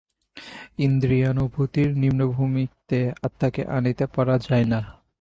ইন্দ্রিয়ানুভূতির নিম্নভূমিতে আত্মাকে আনিতে পারা যায় না।